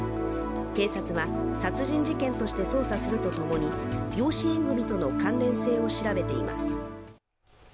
警察は殺人事件として捜査するとともに、養子縁組との関連性を調べています。